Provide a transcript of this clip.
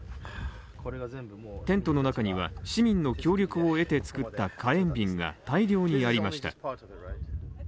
テントの中には市民の協力を得て作った火炎瓶が大量にありました。